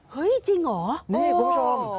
จริงเหรอนี่คุณผู้ชม